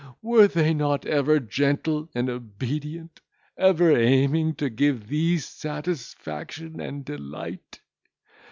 Were they not ever gentle and obedient, ever aiming to give thee satisfaction and delight?